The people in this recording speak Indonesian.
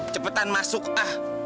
cepetan masuk ah